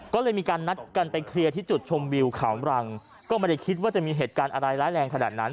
ก็เลยมีการนัดกันไปเคลียร์ที่จุดชมวิวเขามรังก็ไม่ได้คิดว่าจะมีเหตุการณ์อะไรร้ายแรงขนาดนั้น